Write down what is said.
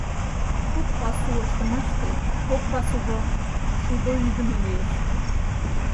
Куд пасу ыштымаште кок пасужо шудо ӱдымӧ лиеш.